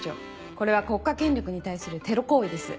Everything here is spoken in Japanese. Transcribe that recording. これは国家権力に対するテロ行為です。